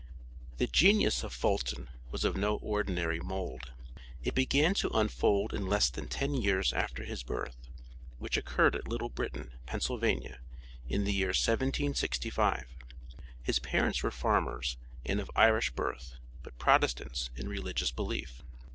The genius of Fulton was of no ordinary mold. It began to unfold in less than ten years after his birth, which occurred at Little Britain, Pennsylvania, in the year 1765. His parents were farmers, and of Irish birth, but Protestants in religious belief.